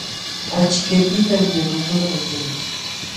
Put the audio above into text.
Achikaypiqta willakuykuna manchanaśhmi.